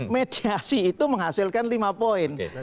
mediasi itu menghasilkan lima poin